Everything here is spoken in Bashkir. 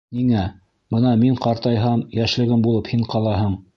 — Ниңә, бына мин ҡартайһам, йәшлегем булып һин ҡалаһың.